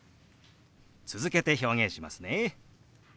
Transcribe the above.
続けて表現しますね。